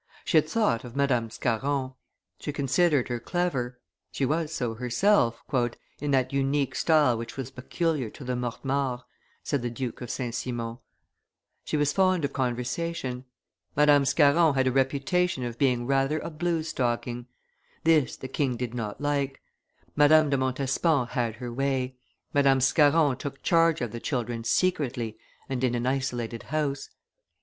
She had thought of Madame Scarron; she considered her clever; she was so herself, "in that unique style which was peculiar to the Mortemarts," said the Duke of St. Simon; she was fond of conversation; Madame Scarron had a reputation of being rather a blue stocking; this the king did not like; Madame de Montespan had her way; Madame Scarron took charge of the children secretly and in an isolated house.